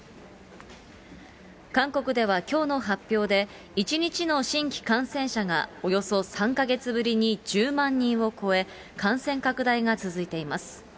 韓国ではきょうの発表で、１日の新規感染者がおよそ３か月ぶりに１０万人を超え、感染拡大が続いています。